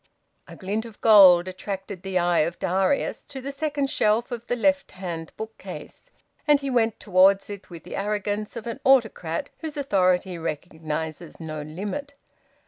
A glint of gold attracted the eye of Darius to the second shelf of the left hand bookcase, and he went towards it with the arrogance of an autocrat whose authority recognises no limit.